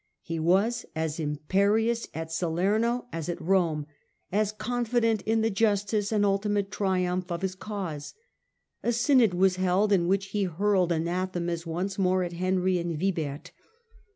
He was as imperious at Salerno as at Rome, as confident in the justice and ultimate triumph of his cause. A synod was held in which he hurled anathemas once more at Henry and Wi bert.